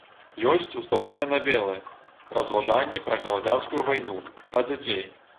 Ёсць устаўныя навелы, разважанні пра грамадзянскую вайну, пра дзяцей.